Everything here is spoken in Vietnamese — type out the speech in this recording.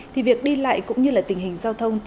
thì việc đi lại cũng như là tình hình giao thông